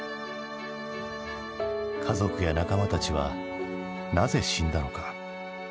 家族や仲間たちはなぜ死んだのか？